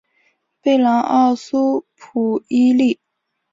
贝朗奥苏普伊利。